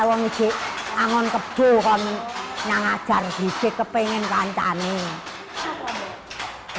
mahas tahun kembali nyaring dengan perempuan itu